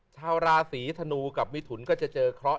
ชาวราศีธนูกับมิถุนก็จะเจอเคราะห